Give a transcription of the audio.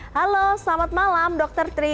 halo selamat malam dr tri